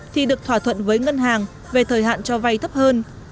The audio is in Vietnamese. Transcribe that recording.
thì được thỏa thuận với ngân hàng về thời hạn cho vay thấp hơn